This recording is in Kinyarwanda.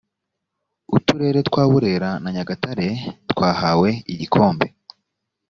uturere twa burera na nyagatare twahawe igikombe